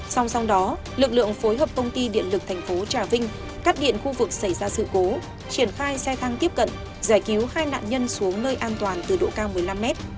sau song đó lực lượng phối hợp công ty điện lực thành phố trà vinh cắt điện khu vực xảy ra sự cố triển khai xe thang tiếp cận giải cứu hai nạn nhân xuống nơi an toàn từ độ cao một mươi năm mét